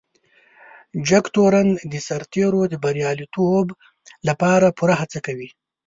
جګتورن د سرتیرو د بريالیتوب لپاره پوره هڅه کوي.